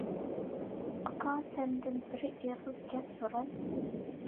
ئاكا سەندىن بىر ئېغىز گەپ سوراي.